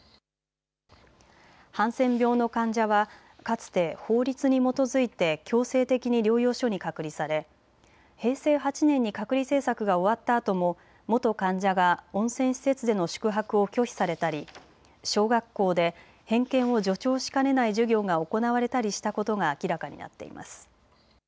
ハンセン病の患者はかつて法律に基づいて強制的に療養所に隔離され平成８年に隔離政策が終わったあとも元患者が温泉施設での宿泊を拒否されたり、小学校で偏見を助長しかねない授業が行われたりしたことが明らかになっています。